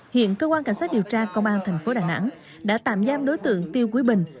hiện cơ quan cảnh sát điều tra công an thành phố đà nẵng đã tạm giam đối tượng tiêu quý bình